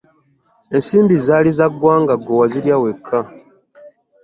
Ensimbi zaali za ggwanga ggwe wazirya wekka.